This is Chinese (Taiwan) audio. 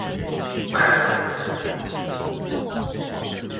開鎖